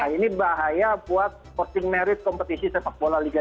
ini bahaya buat porting merit kompetisi sepak bola liga dua